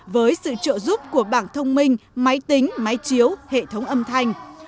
với sự trợ giúp của bảng thông minh máy tính máy chiếu hệ thống âm thanh